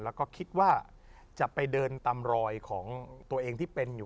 แล้วก็คิดว่าจะไปเดินตามรอยของตัวเองที่เป็นอยู่